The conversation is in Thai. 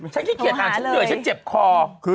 ฉันกิเกียจหาเช็คเจ็บคอ